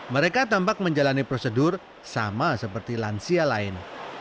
mereka tampak menjalani prosedur sama seperti lansia lain